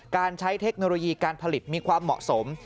การใช้เทคโนโลยีการผลิตมีความเหมาะสม